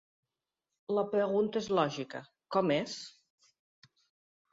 La pregunta és lògica: com és?